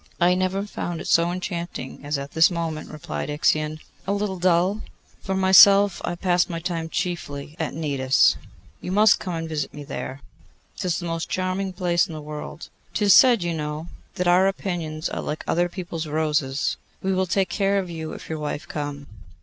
'I never found it so enchanting as at this moment,' replied Ixion. 'A little dull? For myself, I pass my time chiefly at Cnidos: you must come and visit me there. 'Tis the most charming place in the world. 'Tis said, you know, that our onions are like other people's roses. We will take care of you, if your wife come.